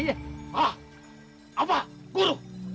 hahah apa guru